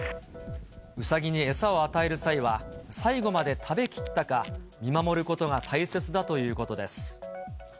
ウサギに餌を与える際は、最後まで食べきったか、見守ることが大切だということです。